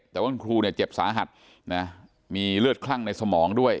แต่ว่าคุณครูเนี่ยเจ็บสาหัสนะมีเลือดคลั่งในสมองด้วย